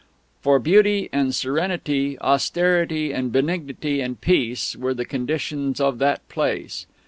For beauty and serenity, austerity and benignity and peace, were the conditions of that Place.